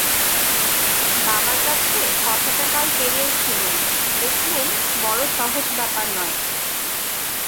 বাবার কাছে কথাটা কাল পেড়েওছিলুম, দেখলুম বড়ো সহজ ব্যাপার নয়।